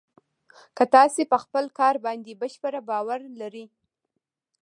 که تاسې په خپل کار باندې بشپړ باور لرئ